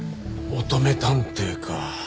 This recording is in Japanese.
乙女探偵か。